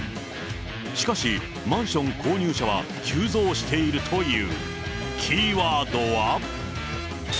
しかし、マンション購入者は急増しているという。